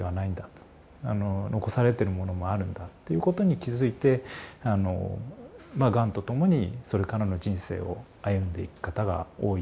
残されてるものもあるんだということに気付いてがんと共にそれからの人生を歩んでいく方が多いように思います。